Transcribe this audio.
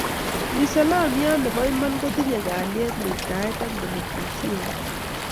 Mwisalamian ne bo iman kotinye kalyee, muitaet ak demokrasiait.